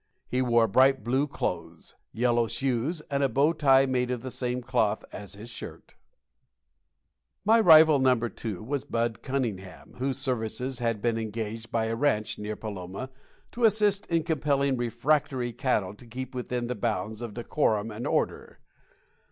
He wore bright blue clothes, yellow shoes, and a bow tie made of the same cloth as his shirt. My rival No.2 was Bud Cunningham, whose services had been engaged by a ranch near Paloma to assist in compelling refractory cattle to keep within the bounds of decorum and order.